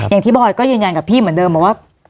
อย่างที่บอร์ดก็ยืนยันกับพี่เหมือนเดิมว่า